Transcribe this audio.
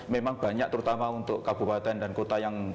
memang banyak terutama untuk kabupaten dan kota yang